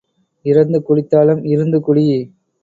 இரந்து குடித்தாலும் இருந்து குடி.